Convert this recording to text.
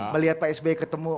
melihat pak sbe ketemu